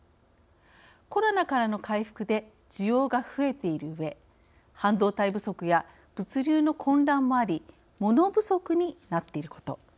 コロナからの回復で需要が増えているうえ半導体不足や物流の混乱もありモノ不足になっていること。